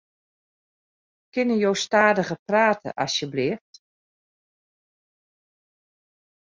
Kinne jo stadiger prate asjebleaft?